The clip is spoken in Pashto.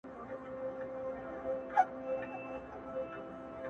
ښه موده کيږي چي هغه مجلس ته نه ورځمه.